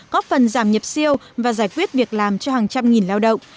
góp phần giảm nhập siêu và giải quyết việc làm cho hàng trăm nghìn lao động